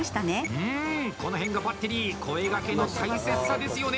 うんこの辺がバッテリー声がけの大切さですよね。